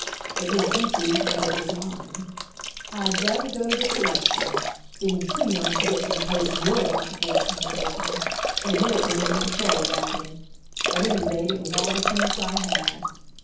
It was empty, and it was mine. I'd rather go to the Correction being too young to get to the place you're bound for, Tom Dorgan in it than in the patrol wagon. At any rate, it was all the chance I had.